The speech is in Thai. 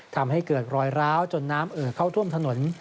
ทำให้เกิดรอยร้าวจนน้ำเอ่อเข้าท่วมถนน